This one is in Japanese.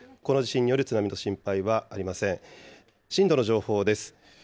震度の情報です。